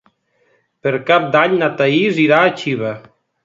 Per Cap d'Any na Thaís irà a Xiva.